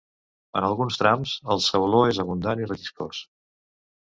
En alguns trams el sauló és abundant i relliscós.